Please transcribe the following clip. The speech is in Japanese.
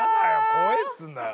怖えっつうんだよ。